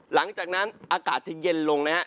หลังจากนั้นอากาศจะเย็นลงนะฮะ